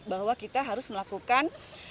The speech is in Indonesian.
bahwa kita harus melakukan